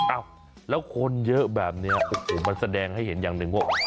อ้าวแล้วคนเยอะแบบนี้โอ้โหมันแสดงให้เห็นอย่างหนึ่งว่า